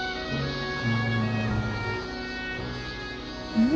うん。